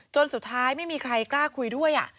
สุดท้ายไม่มีใครกล้าคุยด้วย